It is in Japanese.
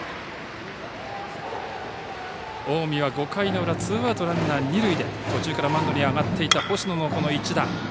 近江は５回の裏ツーアウト、ランナー、二塁で途中からマウンドに上がっていた星野の一打。